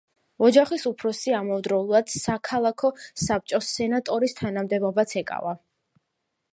ოჯახის უფროსი ამავდროულად საქალაქო საბჭოს სენატორის თანამდებობაც ეკავა.